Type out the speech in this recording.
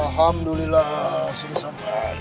alhamdulillah sudah sampai